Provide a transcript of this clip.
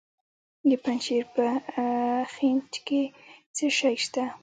د پنجشیر په خینج کې څه شی شته؟